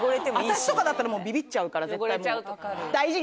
私とかだったらビビっちゃうから絶対もう。